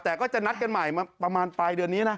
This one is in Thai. แต่ก็จะนัดกันใหม่ประมาณปลายเดือนนี้นะ